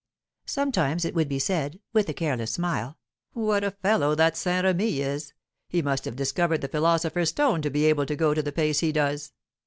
Sometimes it would be said, with a careless smile, "What a fellow that Saint Remy is: he must have discovered the philosopher's stone to be able to go the pace he does."